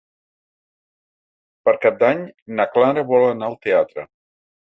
Per Cap d'Any na Clara vol anar al teatre.